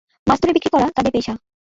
মাছ ধরে বিক্রি করা তাদের পেশা।